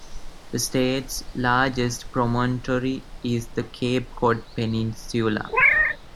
The state's largest promontory is the Cape Cod peninsula.